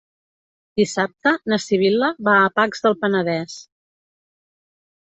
Dissabte na Sibil·la va a Pacs del Penedès.